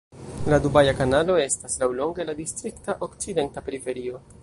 La Dubaja Kanalo estas laŭlonge de la distrikta okcidenta periferio.